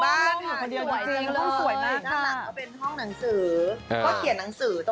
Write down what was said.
เป็นข้างหลังก็เป็นห้องหนังสือ